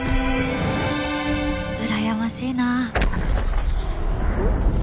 羨ましいなあ。